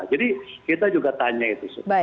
jadi kita juga tanya itu